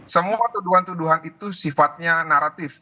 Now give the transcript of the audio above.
semua tuduhan tuduhan itu sifatnya naratif